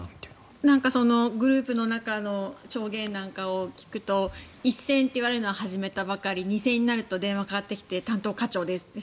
グループの中の証言なんかを聞くと１線といわれたのは始めたばかり２線というのは電話がかかってきて担当課長です